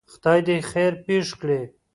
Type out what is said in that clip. خدای دی خیر پېښ کړي.